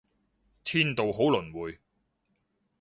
天道好輪迴